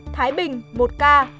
thái bình một ca